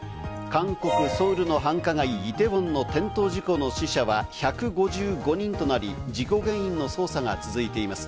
韓国・ソウルの繁華街、イテウォンの転倒事故の死者は１５５人となり、事故原因の捜査が続いています。